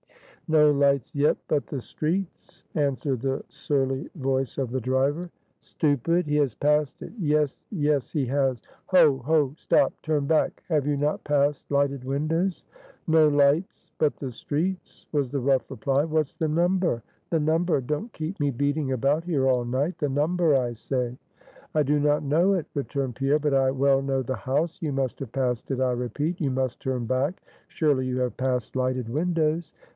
"No lights yet but the street's," answered the surly voice of the driver. "Stupid! he has passed it yes, yes he has! Ho! ho! stop; turn back. Have you not passed lighted windows?" "No lights but the street's," was the rough reply. "What's the number? the number? Don't keep me beating about here all night! The number, I say!" "I do not know it," returned Pierre; "but I well know the house; you must have passed it, I repeat. You must turn back. Surely you have passed lighted windows?"